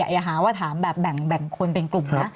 อย่าหาว่าถามแบบแบ่งคนเป็นกลุ่มนะ